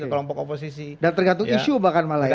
kelompok oposisi dan tergantung isu bahkan malah ya